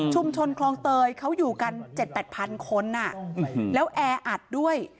ชุมชนคลองเตยเขาอยู่กัน๗๘พันคนอ่ะแล้วแออัดด้วย